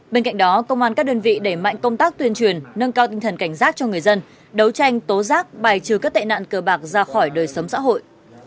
bên cạnh đó công an các đơn vị đẩy mạnh công tác tuyên truyền nâng cao tinh thần cảnh giác cho người dân đấu tranh tố giác bài trừ các tệ nạn cờ bạc ra khỏi đời sống xã hội